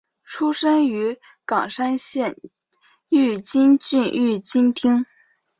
出身于冈山县御津郡御津町。